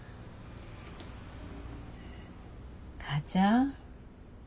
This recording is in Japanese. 母ちゃん。